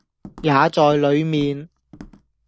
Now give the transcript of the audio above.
也在裏面，